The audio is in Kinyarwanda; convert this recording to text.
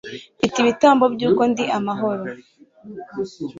mfite ibitambo by'uko ndi amahoro